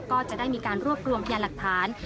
ก็จะได้มีการรวบรวมพยานหลักฐาน